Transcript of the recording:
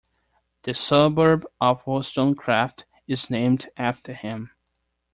The suburb of Wollstonecraft is named after him.